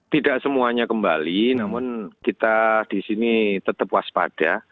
tidak semuanya kembali namun kita di sini tetap waspada